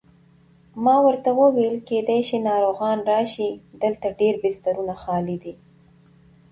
ما ورته وویل: کېدای شي ناروغان راشي، دلته ډېر بسترونه خالي دي.